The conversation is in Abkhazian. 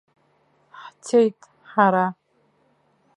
Ҳцеит ҳара.